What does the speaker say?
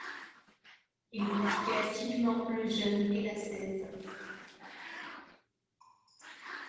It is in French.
Il pratiquait assidûment le jeûne et l'ascèse.